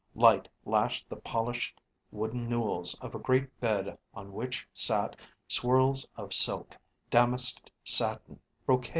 Light lashed the polished wooden newels of a great bed on which sat swirls of silk, damasked satin, brocade.